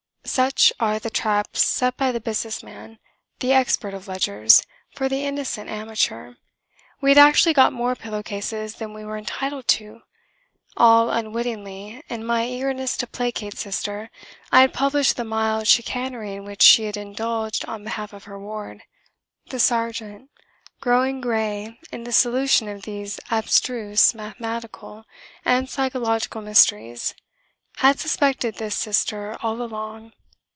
Such are the traps set by the business man, the expert of ledgers, for the innocent amateur. We had actually got more pillow cases than we were entitled to. All unwittingly, in my eagerness to placate Sister, I had published the mild chicanery in which she had indulged on behalf of her ward. The sergeant, growing grey in the solution of these abstruse mathematical and psychological mysteries, had suspected this Sister all along.